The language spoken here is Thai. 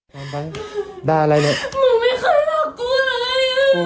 เหรอไปด่าอะไรนะเธอไม่ค่อยรักกูเลย